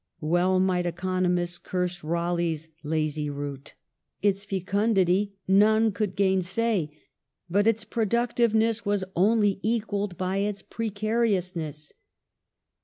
Well might economists curse Raleigh's '' lazy root". Its fecundity none could gainsay; but its productiveness was only equalled by its precariousness.